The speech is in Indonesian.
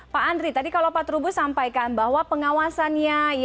pak andri tadi kalau pak trubus sampaikan bahwa pengawasannya